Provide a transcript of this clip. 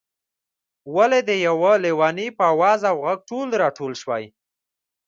ولې د یو لېوني په آواز او غږ ټول راټول شوئ.